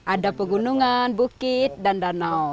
ada pegunungan bukit dan danau